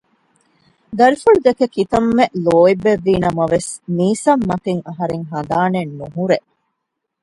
ދަރިފުޅު ދެކެ ކިތަންމެ ލޯތްބެއްވީ ނަމަވެސް މީސަމް މަތިން އަހަރެން ހަނދާނެއް ނުހުރޭ